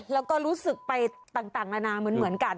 แล้วก็รู้สึกไปต่างต่างรนาเหมือนเหมือนกัน